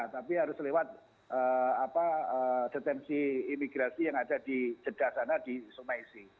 tapi harus lewat detensi imigrasi yang ada di jeda sana di sumaisi